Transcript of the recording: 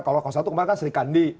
kalau satu kemarin kan serikandi